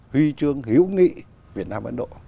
huy chương hiếu nghị việt nam ấn độ